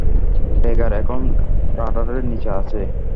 Dagger এখন রাডারের নিচে আছে।